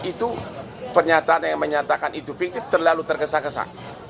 itu pernyataan yang menyatakan itu fiktif terlalu tergesa gesa